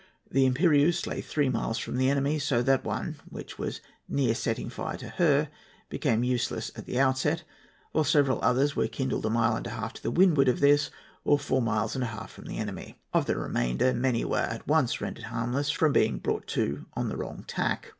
The Impérieuse lay three miles from the enemy, so that the one which was near setting fire to her became useless at the outset; whilst several others were kindled a mile and a half to the windward of this, or four miles and a half from the enemy. Of the remainder, many were at once rendered harmless from being brought to on the wrong tack.